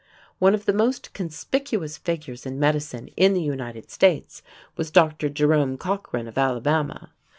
One of the most conspicuous figures in medicine in the United States was Dr. Jerome Cochran of Alabama.